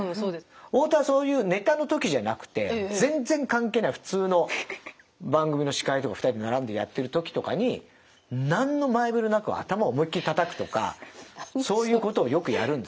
太田はそういうネタのときじゃなくて全然関係ない普通の番組の司会とか２人で並んでやってるときとかに何の前触れもなく頭を思いっ切りたたくとかそういうことをよくやるんですよ。